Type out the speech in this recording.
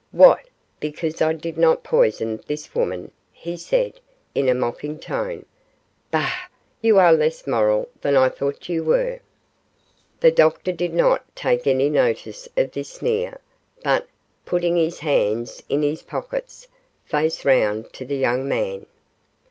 'What, because I did not poison this woman?' he said, in a mocking tone. 'Bah! you are less moral than I thought you were.' The doctor did not take any notice of this sneer, but, putting his hands in his pockets, faced round to the young man.